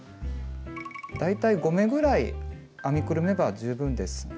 大体５目ぐらい編みくるめば十分です。